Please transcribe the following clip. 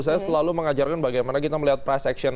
saya selalu mengajarkan bagaimana kita melihat price action